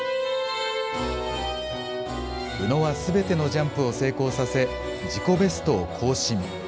宇野はすべてのジャンプを成功させ、自己ベストを更新。